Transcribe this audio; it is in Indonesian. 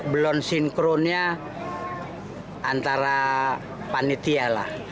balon sinkronnya antara panitia lah